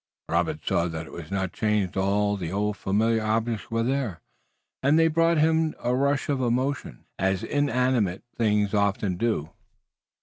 Robert saw that it was not changed. All the old, familiar objects were there, and they brought to him a rush of emotion, as inanimate things often do.